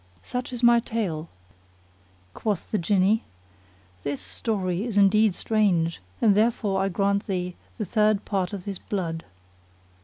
Such is my tale! Quoth the Jinni, "This story is indeed strange, and therefore I grant thee the third part of his blood."